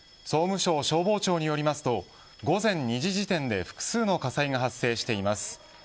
総務省消防庁によりますと午前２時時点で複数の火災が発生しています。